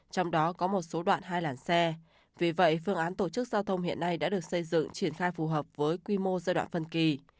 trong đó có một số đoạn hai làn xe vì vậy phương án tổ chức giao thông hiện nay đã được xây dựng triển khai phù hợp với quy mô giai đoạn phân kỳ